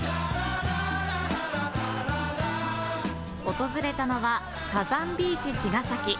訪れたのはサザンビーチちがさき。